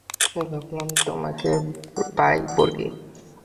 তাই ভাবলাম তোমাকে বায় বলি।